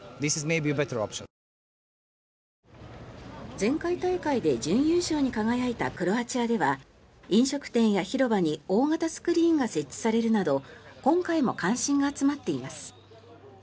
前回大会で準優勝に輝いたクロアチアでは飲食店や広場に大型スクリーンが設置されるなど今回も関心が集まっています。